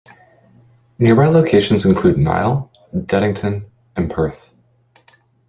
Nearby locations include Nile, Deddington and Perth.